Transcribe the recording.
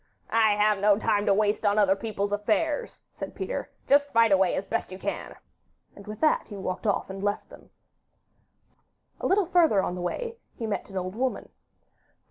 'I have no time to waste on other people's affairs,' said Peter; 'just fight away as best you can;' and with that he walked off and left them. A little further on the way he met an old woman.